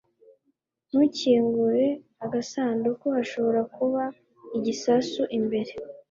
Ntukingure agasanduku. Hashobora kuba igisasu imbere.